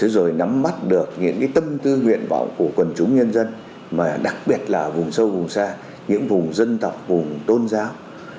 rồi nắm mắt được những tâm tư nguyện vọng của quần chúng nhân dân mà đặc biệt là vùng sâu vùng xa những vùng dân tộc vùng tôn giáo